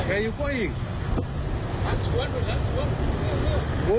แค่อยู่ก้อยอีก